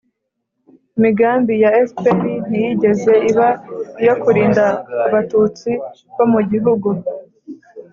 imigambi ya fpr ntiyigeze iba iyo kurinda abatutsi bo mu gihugu